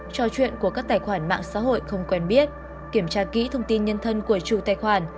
trò chuyện của các tài khoản mạng xã hội không quen biết kiểm tra kỹ thông tin nhân thân của chủ tài khoản